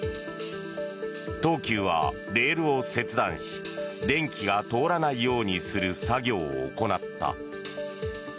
東急はレールを切断し電気が通らないようにする作業を行った。